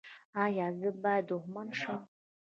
ایا زه باید دښمن شم؟